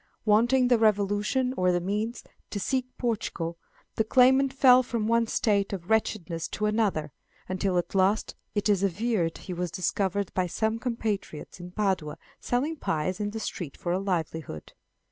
Wanting the resolution, or the means, to seek Portugal, the claimant fell from one state of wretchedness to another, until, at last, it is averred he was discovered by some compatriots in Padua selling pies in the street for a livelihood.